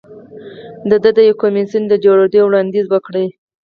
ده د یو کمېسیون د جوړېدو وړاندیز وکړ.